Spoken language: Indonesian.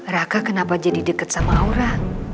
raka kenapa jadi deket sama aura